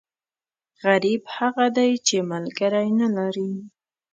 غریب هغه دی، چې ملکری نه لري.